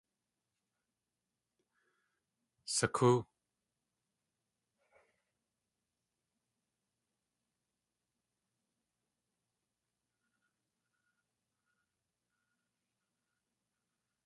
Sakóo!